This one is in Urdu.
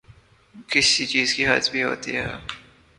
کسی چیز کی حد بھی ہوتی ہے۔